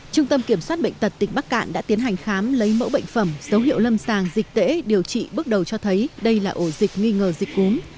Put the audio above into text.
trung tâm kiểm soát bệnh tật tỉnh bắc cạn đã tiến hành khám lấy mẫu bệnh phẩm dấu hiệu lâm sàng dịch tễ điều trị bước đầu cho thấy đây là ổ dịch nghi ngờ dịch cúm